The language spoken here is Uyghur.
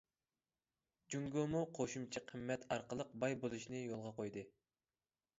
جۇڭگومۇ قوشۇمچە قىممەت ئارقىلىق باي بولۇشنى يولغا قويدى.